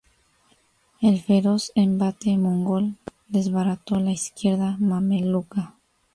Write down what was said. El feroz embate mongol desbarató la izquierda mameluca.